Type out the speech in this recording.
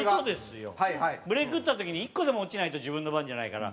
ブレイク打った時に１個でも落ちないと自分の番じゃないから。